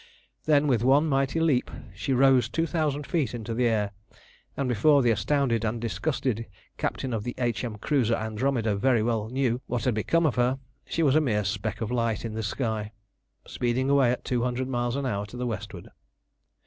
Then with one mighty leap she rose two thousand feet into the air, and before the astounded and disgusted captain of H.M. cruiser Andromeda very well knew what had become of her, she was a mere speck of light in the sky, speeding away at two hundred miles an hour to the westward.